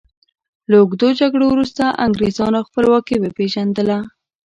له اوږدو جګړو وروسته انګریزانو خپلواکي وپيژندله.